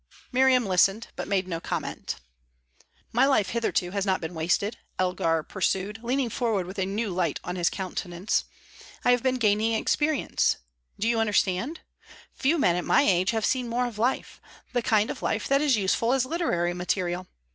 Miriam listened, but made no comment. "My life hitherto has not been wasted," Elgar pursued, leaning forward with a new light on his countenance. "I have been gaining experience. Do you understand? Few men at my age have seen more of life the kind of life that is useful as literary material.